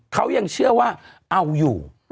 เขายังเชื่อว่าเอาอยู่